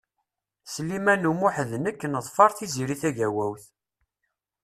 Sliman U Muḥ d nekk neḍfeṛ Tiziri Tagawawt.